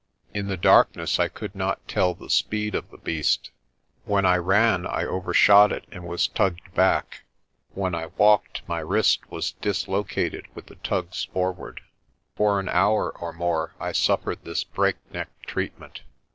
In the darkness I could not tell the speed of the beast. When I ran I overshot it and was tugged back; when I walked my wrist was dislocated with the tugs for ward. For an hour or more I suffered this breakneck treatment.